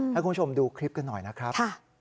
ให้คุณผู้ชมดูคลิปกันหน่อยนะครับ